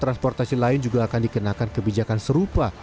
transportasi lain juga akan dikenakan kebijakan serupa